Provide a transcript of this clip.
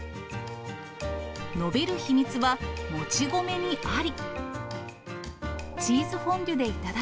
伸びる秘密はもち米にあり。